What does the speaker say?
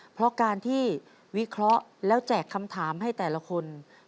เพราะการที่วิเคราะห์แล้วแจกคำถามให้แต่ละคน